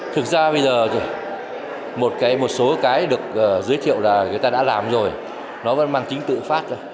thực ra bây giờ một số cái được giới thiệu là người ta đã làm rồi nó vẫn mang chính tự phát